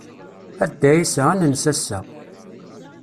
A Dda Ɛisa ad nens ass-a.